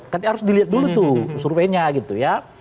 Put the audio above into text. kan harus dilihat dulu tuh suruh suruhnya gitu ya